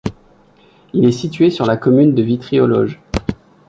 Il est situé sur la commune de Vitry-aux-Loges.